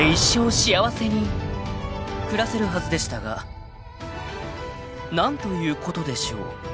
［暮らせるはずでしたが何ということでしょう。